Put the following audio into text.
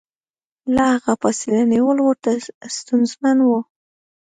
له هغه فاصله نیول ورته ستونزمن و.